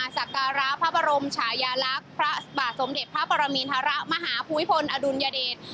สักการะพระบรมชายาลักษณ์พระบาทสมเด็จพระปรมินทรมาหาภูมิพลอดุลยเดช